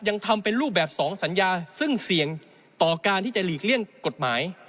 ยังทำเป็นรูปแบบ๒สัญญาซึ่งเสี่ยงต่อการที่จะหลีกเลี่ยงกฎหมาย